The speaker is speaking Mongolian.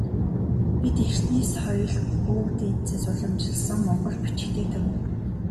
Бидэртний соёлт өвөг дээдсээс уламжилсан монгол бичигтэй түмэн.